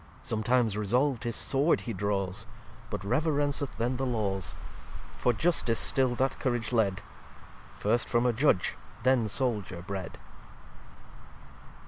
Sometimes resolv'd his Sword he draws, But reverenceth then the Laws: For Justice still that Courage led; First from a Judge, then Souldier bred.